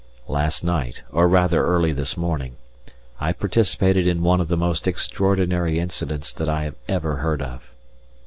Last night, or rather early this morning, I participated in one of the most extraordinary incidents that I have ever heard of.